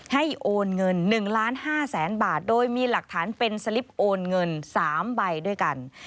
โอนเงิน๑ล้าน๕แสนบาทโดยมีหลักฐานเป็นสลิปโอนเงิน๓ใบด้วยกัน